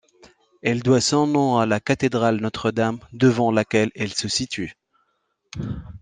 Elle doit son nom à la cathédrale Notre-Dame devant laquelle elle se situe.